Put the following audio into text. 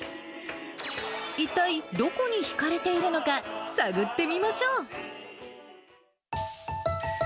一体、どこに引かれているのか、探ってみましょう。